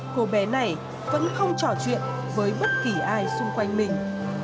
cô bé này vẫn không trò chuyện với bất kỳ ai xung quanh mình